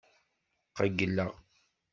Qeyyleɣ.